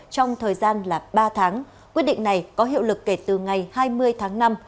trong thời gian là ba tháng quyết định này có hiệu lực kể từ ngày hai mươi tháng năm